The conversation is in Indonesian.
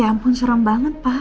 ya ampun serem banget pak